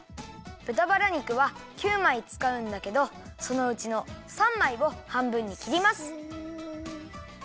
ぶたバラ肉は９まいつかうんだけどそのうちの３まいをはんぶんにきります。